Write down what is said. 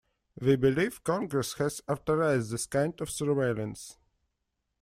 We believe Congress has authorized this kind of surveillance.